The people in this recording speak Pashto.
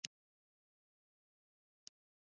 د حج د فرضې مبارکي مو ورته وویله.